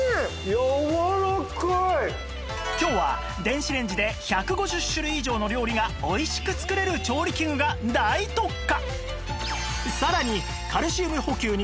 今日は電子レンジで１５０種類以上の料理がおいしく作れる調理器具が大特価！